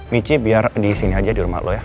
michi biar disini aja di rumah lo ya